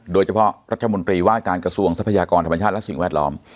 โดยเฉพาะรัฐมนตรีว่าการกระทรวงทรัพยากรธรรมชาติและสิ่งแวดล้อม